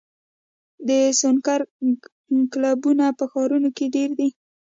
د سنوکر کلبونه په ښارونو کې ډېر دي.